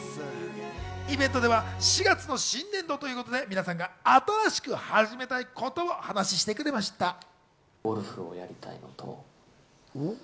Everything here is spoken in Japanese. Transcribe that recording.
イベントでは４月の新年度ということで皆さんが新しく始めたいことを話してくれました。